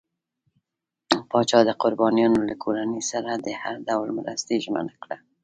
پاچا د قربانيانو له کورنۍ سره د هر ډول مرستې ژمنه کړه.